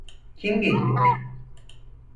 Kim geliyor?